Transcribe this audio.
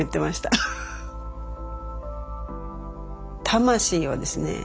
魂をですね